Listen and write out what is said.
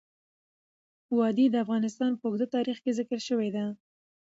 وادي د افغانستان په اوږده تاریخ کې ذکر شوی دی.